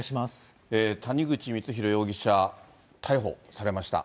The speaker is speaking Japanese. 谷口光弘容疑者、逮捕されました。